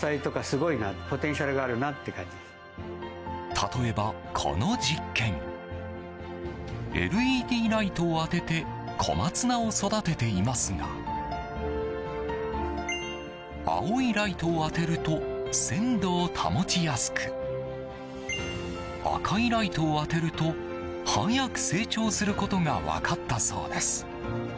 例えば、この実験ＬＥＤライトを当てて小松菜を育てていますが青いライトを当てると鮮度を保ちやすく赤いライトを当てると早く成長することが分かったそうです。